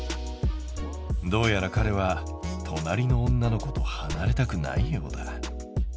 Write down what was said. どうやらかれは隣の女の子とはなれたくないようだ。